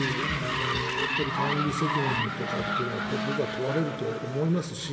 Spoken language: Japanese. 管理責任とかというのは僕は問われると思いますし。